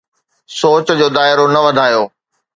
سوچ جو دائرو نه وڌايو.